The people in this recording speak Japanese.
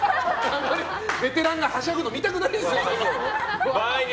ベテランがはしゃぐの見たくないですよ。